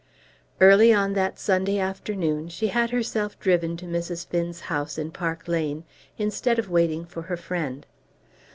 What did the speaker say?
Early on that Sunday afternoon she had herself driven to Mrs. Finn's house in Park Lane, instead of waiting for her friend.